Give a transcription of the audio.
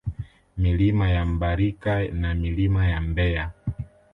Milima ya Mbarika na Milima ya Mbeya